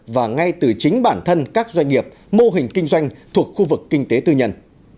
và ngay từ chính bản thân các doanh nghiệp mô hình kinh doanh thuộc khu vực kinh tế tư nhân